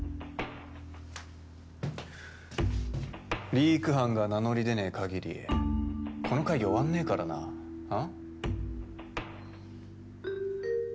リーク犯が名乗り出ねえかぎりこの会議終わんねえからなあ？